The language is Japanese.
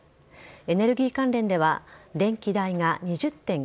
エネルギー関連では電気代が２０．９％